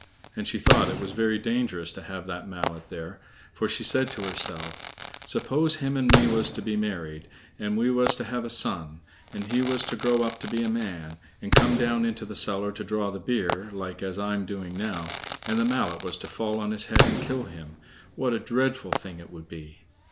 And she thought it was very dangerous to have that mallet there, for she said to herself: "Suppose him and me was to be married, and we was to have a son, and he was to grow up to be a man, and come down into the cellar to draw the beer, like as I'm doing now, and the mallet was to fall on his head and kill him, what a dreadful thing it would be!"